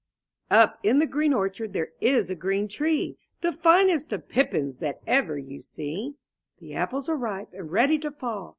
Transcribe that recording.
T TP in the green orchard there is a green tree, ^^ The finest of pippins that ever you see; The apples are ripe, and ready to fall.